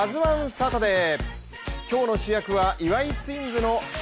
サタデー。